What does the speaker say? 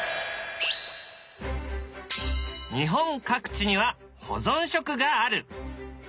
日本各地には保存食がある。